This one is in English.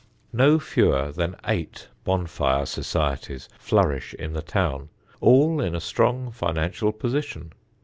No fewer than eight Bonfire Societies flourish in the town, all in a strong financial position.